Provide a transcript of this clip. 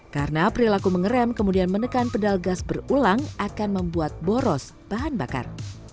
karena perilaku mengerem kemudian menekan pedal gas berulang akan membuat boros bahan bakar